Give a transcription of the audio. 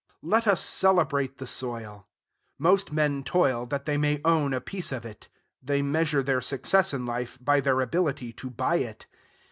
Let us celebrate the soil. Most men toil that they may own a piece of it; they measure their success in life by their ability to buy it.